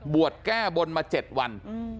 แก้บนมา๗วัน